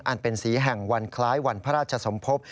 อันเป็นสีแห่งวันคล้ายวันพระราชสมภพ